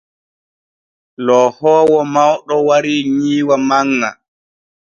Loohoowo mawɗo warii nyiiwa manŋa.